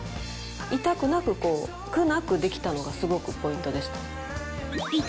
痛くなく苦なくできたのがすごくポイントでした。